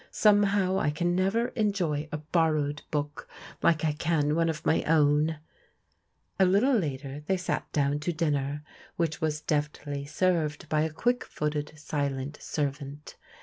Somehow I can never enjoy a borrowed book like I can one of my own/* A little later they sat down to dinner, which was deftly served by a quick footed, silent servant.